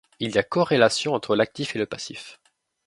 Il y a corrélation entre l'actif et le passif.